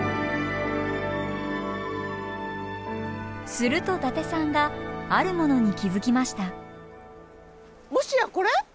すると伊達さんがあるものに気付きました。